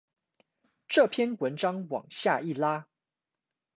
這兩篇文章往下一拉